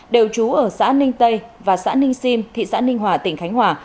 đều trú ở xã ninh tây và xã ninh sim thị xã ninh hòa tỉnh khánh hòa